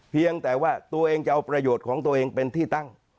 เพียงแต่ว่าตัวเองจะเอาประโยชน์ของตัวเองเป็นที่ตั้ง